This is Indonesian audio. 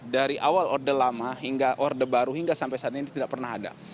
dari awal orde lama hingga orde baru hingga sampai saat ini tidak pernah ada